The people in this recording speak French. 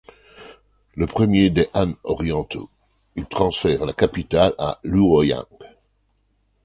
Premier des Han orientaux, il transfère la capitale à Luoyang.